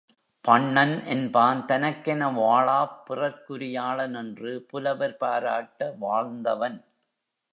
பண்ணன் என்பான் தனக்கென வாழாப் பிறர்க்குரியாளன் என்று புலவர் பாராட்ட வாழ்ந்தவன்.